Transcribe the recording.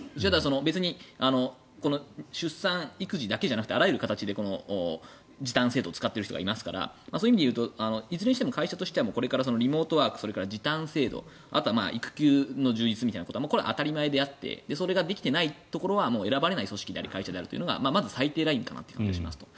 別に出産、育児だけじゃなくてあらゆる形で時短制度を使っている人がいますからそういう意味ではいずれにしても会社としてはこれからリモートワークそれから時短制度あとは育休の充実みたいなものがこれは当たり前であってそれができていないところは選ばれない組織であり会社であるというのが最低ラインだという感じがしますと。